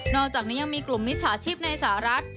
อกจากนี้ยังมีกลุ่มมิจฉาชีพในสหรัฐ